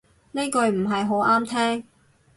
呢句唔係好啱聽